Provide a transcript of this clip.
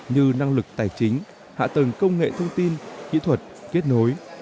như năng lực tài chính hạ tầng công nghệ thông tin kỹ thuật kết nối